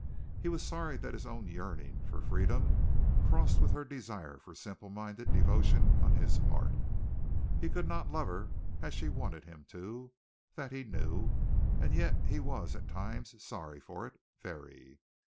He was sorry that his own yearning for freedom crossed with her desire for simple minded devotion on his part. He could not love her as she wanted him to, that he knew, and yet he was at times sorry for it, very.